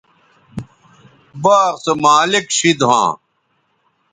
باغ سو مالک شید ھواں